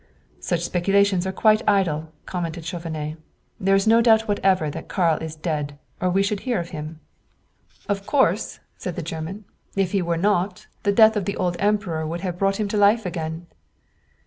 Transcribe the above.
"Such speculations are quite idle," commented Chauvenet. "There is no doubt whatever that Karl is dead, or we should hear of him." "Of course," said the German. "If he were not, the death of the old Emperor would have brought him to life again."